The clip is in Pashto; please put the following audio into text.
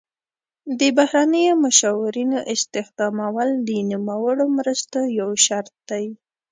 د بهرنیو مشاورینو استخدامول د نوموړو مرستو یو شرط دی.